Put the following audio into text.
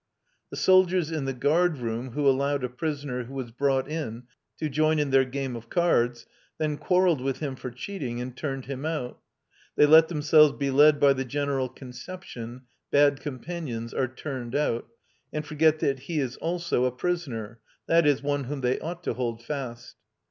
The soldiers in the guard room who allowed a prisoner who was brought in to join in their game of cards, then quarrelled with him for cheating, and turned him out. They let themselves be led by the general conception, "Bad companions are turned out," and forget that he is also a prisoner, i.e., one whom they ought to hold fast.